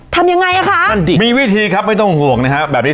ถึงเวลาของสินแสใช้ที่จะนำสาดพลังฟวงจุ้ยแห่งฟ้าดิน